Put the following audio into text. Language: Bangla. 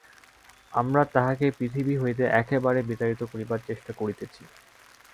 আমরা তাহাকে পৃথিবী হইতে একেবারে বিতাড়িত করিবার চেষ্টা করিতেছি।